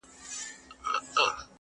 یو په بل کي ورکېدلای!